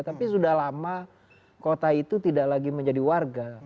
tapi sudah lama kota itu tidak lagi menjadi warga